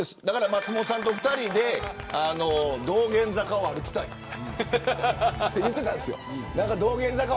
松本さんと２人で道玄坂を歩きたいと言っていたんです。